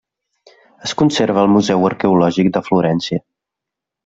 Es conserva al Museu Arqueològic de Florència.